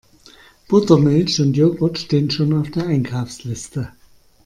Buttermilch und Jogurt stehen schon auf der Einkaufsliste.